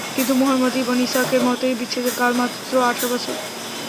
কিন্তু Muhammad ibn ইসহাকের মতে, বিচ্ছেদের কাল মাত্র আঠার বছর।